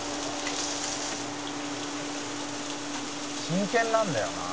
「真剣なんだよな」